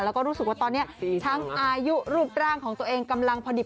แล้วก็รู้สึกว่าตอนนี้ทั้งอายุรูปร่างของตัวเองกำลังพอดิบ